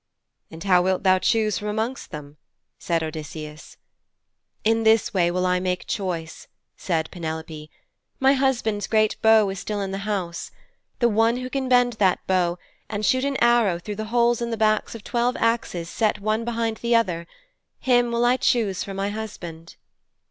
'And how wilt thou choose from amongst them?' said Odysseus. 'In this way will I make choice,' said Penelope. 'My husband's great bow is still in the house. The one who can bend that bow, and shoot an arrow through the holes in the backs of twelve axes set one behind the other him will I choose for my husband.'